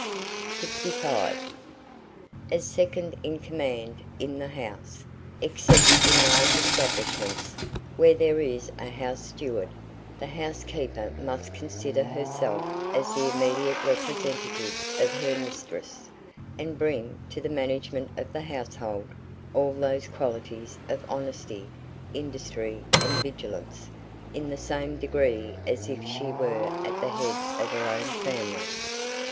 55. AS SECOND IN COMMAND IN THE HOUSE, except in large establishments, where there is a house steward, the housekeeper must consider herself as the immediate representative of her mistress, and bring, to the management of the household, all those qualities of honesty, industry, and vigilance, in the same degree as if she were at the head of her own family.